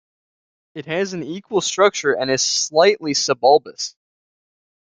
It has an equal structure, and is slightly subulbous.